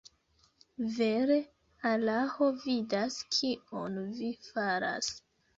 Vere Alaho vidas, kion vi faras.